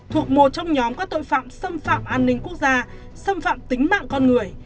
thuộc một trong nhóm các tội phạm xâm phạm an ninh quốc gia xâm phạm tính mạng con người